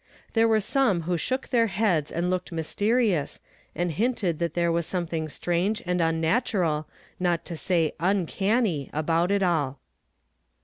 There were some who shook their heads and looked mysterious, and hinted that there was something strange and unnatural, not to say "uncanny," about it all.